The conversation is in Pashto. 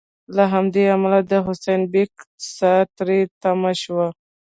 له همدې امله د حسین بېګ سا تری تم شوه.